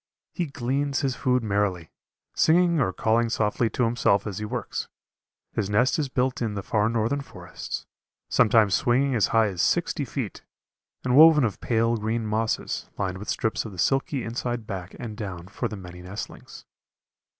He gleans his food merrily, singing or calling softly to himself as he works. His nest is built in the far northern forests, sometimes swinging as high as sixty feet, and woven of pale green mosses, lined with strips of the silky inside back and down for the many nestlings.